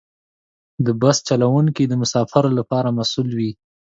د بس چلوونکي د مسافرو لپاره مسؤل وي.